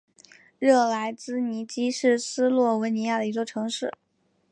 热莱兹尼基是斯洛文尼亚的一座城市。